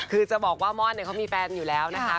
คือจะบอกว่าม่อนเขามีแฟนอยู่แล้วนะคะ